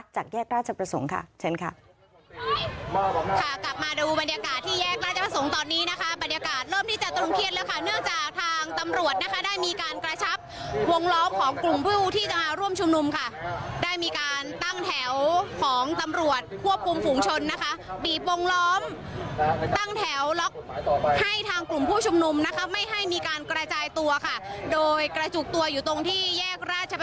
จากแยกราชประสงค์ชั้นครับ